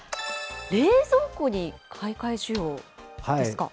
冷蔵庫に買い替え需要ですか。